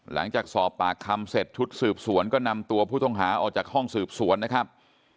หลังจากสอบปากคำเสร็จชุดสืบสวนก็นำตัวผู้ต้องหาออกจากห้องสืบสวนนะครับ